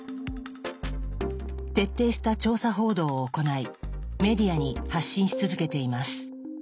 徹底した調査報道を行いメディアに発信し続けています。